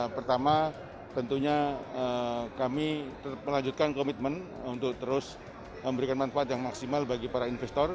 pertama tentunya kami melanjutkan komitmen untuk terus memberikan manfaat yang maksimal bagi para investor